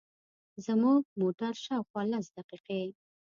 زموږ موټر شاوخوا لس دقیقې.